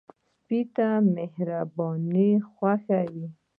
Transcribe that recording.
سپي ته مهرباني خوښ وي.